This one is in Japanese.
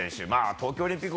東京オリンピック